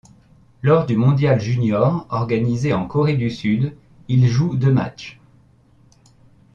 Lors du mondial junior organisé en Corée du Sud, il joue deux matchs.